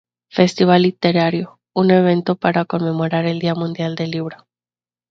Festival Literario" un evento para conmemorar el Día Mundial del Libro.